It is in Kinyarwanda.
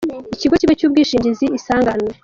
ikigo kimwe cy’ubwishingizi isanganywe.